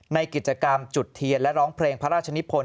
ในกิจกรรมจุดเทียนและร้องเพลงพระราชนิพล